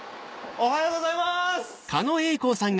おはようございます！